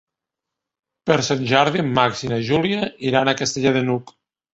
Per Sant Jordi en Max i na Júlia iran a Castellar de n'Hug.